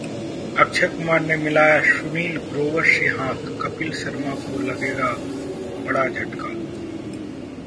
अक्षय कुमार ने मिलाया सुनील ग्रोवर से हाथ, कपिल शर्मा को लगेगा बड़ा झटका